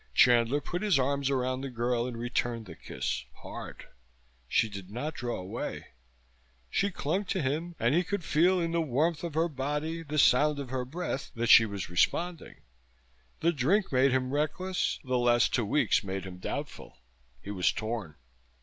Chandler put his arms around the girl and returned the kiss, hard. She did not draw away. She clung to him, and he could feel in the warmth of her body, the sound of her breath that she was responding. The drink made him reckless; the last two weeks made him doubtful; he was torn.